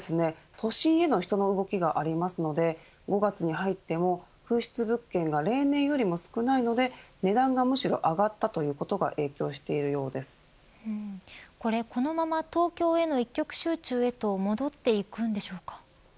都心への人の動きがありますので５月に入っても空室物件が例年よりも少ないので値段がむしろ上がったということがこれこのまま東京への一極集中へと戻っていくんでしょうか。